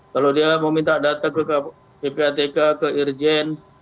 kalau dia mau minta data ke ppatk ke irjen